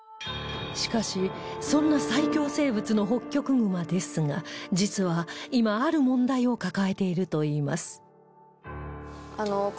しかしそんな最恐生物のホッキョクグマですが実は今ある問題を抱えているといいます